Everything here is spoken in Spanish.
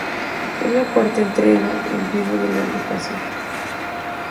Es la cuarta entrega en vivo de la agrupación.